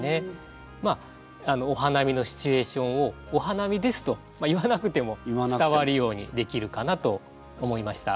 お花見のシチュエーションを「お花見です」と言わなくても伝わるようにできるかなと思いました。